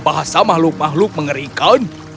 bahasa makhluk makhluk mengerikan